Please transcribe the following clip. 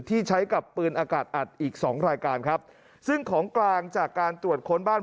ที่ใช้กับปืนอากาศอัดอีกสองรายการครับซึ่งของกลางจากการตรวจค้นบ้าน